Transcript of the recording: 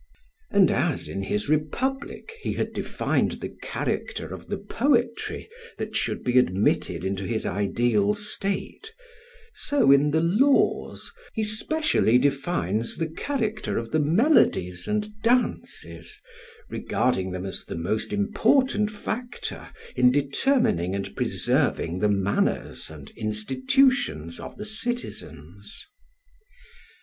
] And as in his Republic he had defined the character of the poetry that should be admitted into his ideal state, so in the "Laws" he specially defines the character of the melodies and dances, regarding them as the most important factor in determining and preserving the manners and institutions of the citizens.